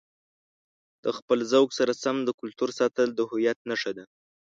د خپلې ذوق سره سم د کلتور ساتل د هویت نښه ده.